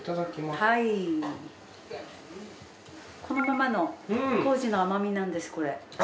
このままの麹の甘みなんですこれ。